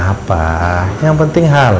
ya pak yang penting halal